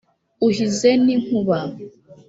uhize n'inkuba,